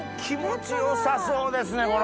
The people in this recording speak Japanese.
気持ち良さそうですね